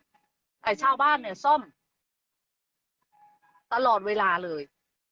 แต่ชาวบ้านเนี่ยซ่อมตลอดเวลาเลย